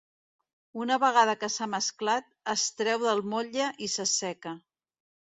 Una vegada que s'ha mesclat, es treu del motlle i s'asseca.